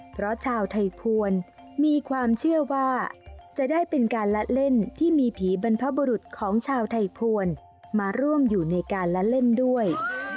เพราะชาวไทยภวรมีความเชื่อว่าจะได้เป็นการละเล่นที่มีผีบรรพบุรุษของชาวไทยภวรมาร่วมอยู่ในการละเล่นด้วย